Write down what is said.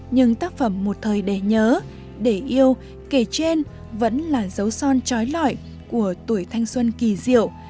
nhưng tác phẩm một thời để nhớ để yêu kể trên vẫn là dấu son trói lõi của tuổi thanh xuân kỳ diệu